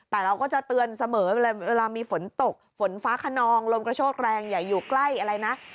แต่เราก็จะเตือนเสมอเวลามีฝนตกฝนฟ้าขนองลมกระโชกแรงอย่าอยู่ใกล้อะไรนะ